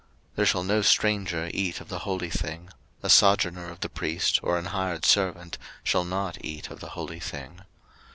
03:022:010 There shall no stranger eat of the holy thing: a sojourner of the priest, or an hired servant, shall not eat of the holy thing.